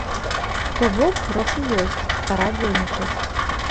То бок, грошы ёсць, пара дзейнічаць.